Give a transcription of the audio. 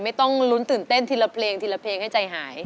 ไม่ต้องลุ้นตื่นเต้นทีละเพลงทีละเพลงให้ใจหาย